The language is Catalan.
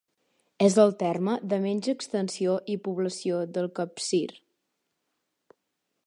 És el terme de menys extensió i població del Capcir.